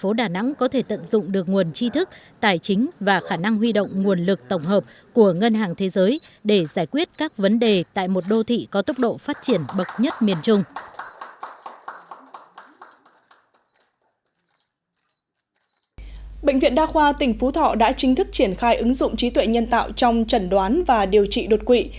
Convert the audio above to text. họ đã chính thức triển khai ứng dụng trí tuệ nhân tạo trong trần đoán và điều trị đột quỵ